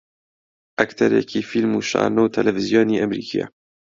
ئەکتەرێکی فیلم و شانۆ و تەلەڤیزیۆنی ئەمریکییە